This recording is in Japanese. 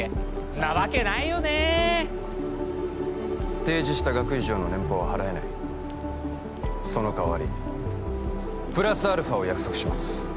んなわけないよね提示した額以上の年俸は払えないその代わりプラスαを約束します